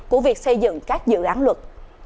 của việc xây dựng các dự án luật